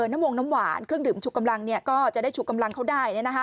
น้ำวงน้ำหวานเครื่องดื่มฉุกกำลังก็จะได้ฉุกกำลังเขาได้